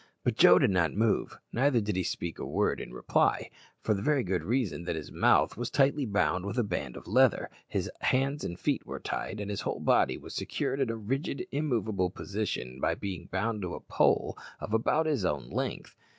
But Joe did not move, neither did he speak a word in reply for the very good reason that his mouth was tightly bound with a band of leather, his hands and feet were tied, and his whole body was secured in a rigid, immovable position by being bound to a pole of about his own length.